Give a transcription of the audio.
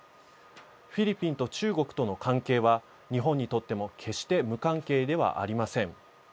フィリピンと中国との関係は日本にとっても決して無関係ではありません。